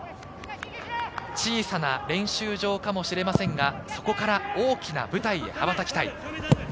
小さな練習場かもしれませんが、そこから大きな舞台へ羽ばたきたい。